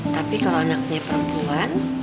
tapi kalau anaknya perempuan